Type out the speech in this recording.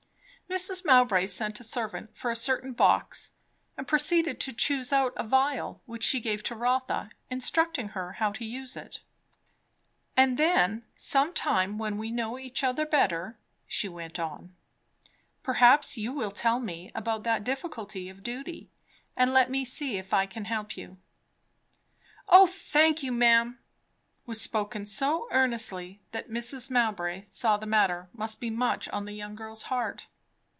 Mrs. Mowbray sent a servant for a certain box, and proceeded to choose out a vial which she gave to Rotha, instructing her how to use it. "And then, some time when we know each other better," she went on, "perhaps you will tell me about that difficulty of duty, and let me see if I can help you." "O thank you, ma'am!" was spoken so earnestly that Mrs. Mowbray saw the matter must be much on the young girl's heart.